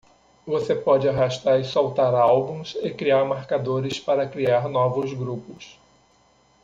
Você pode arrastar e soltar álbuns e criar marcadores para criar novos grupos.